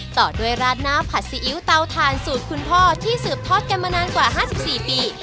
ต่อด้วยราดหน้าผัดซีอิ๊วเตาถ่านสูตรคุณพ่อที่สืบทอดกันมานานกว่า๕๔ปี